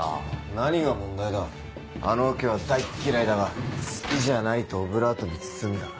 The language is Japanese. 何が問題だあのオケは大っ嫌いだが「好きじゃない」とオブラートに包んだ。